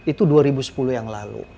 itu dua ribu sepuluh yang lalu